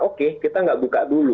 oke kita nggak buka dulu